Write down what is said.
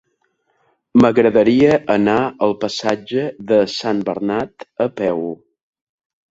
M'agradaria anar al passatge de Sant Bernat a peu.